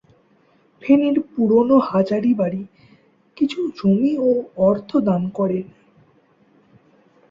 ফেনীর পুরনো হাজারী বাড়ী কিছু জমি ও অর্থ দান করেন।